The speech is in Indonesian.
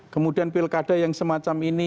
kemudian pilkada yang semacam ini